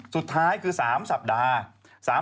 สุดท้ายคือ๓สัปดาห์